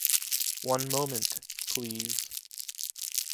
One moment please.